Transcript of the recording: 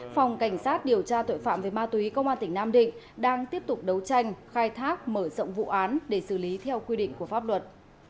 phòng cảnh sát điều tra tội phạm về ma túy công an tỉnh nam định đang tiếp tục đấu tranh khai thác mở rộng vụ án để xử lý theo quy định của pháp luật